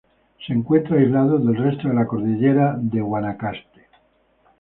Se encuentra aislado del resto de la cordillera de Guanacaste.